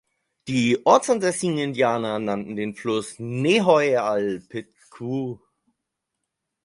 Die ortsansässigen Indianer nannten den Fluss "Ne-hoi-al-pit-kwu".